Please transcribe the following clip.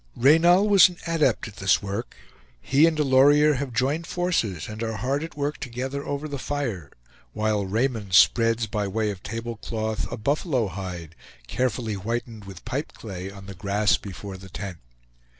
Reynal was an adept at this work; he and Delorier have joined forces and are hard at work together over the fire, while Raymond spreads, by way of tablecloth, a buffalo hide, carefully whitened with pipeclay, on the grass before the tent.